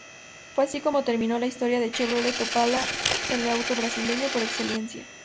Fue así como terminó la historia del Chevrolet Opala, el auto brasileño por excelencia.